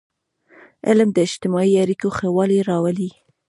علم د اجتماعي اړیکو ښهوالی راولي.